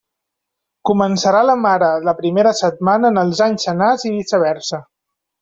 Començarà la mare la primera setmana en els anys senars i viceversa.